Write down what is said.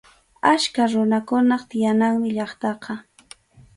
Achka runakunap tiyananmi llaqtaqa.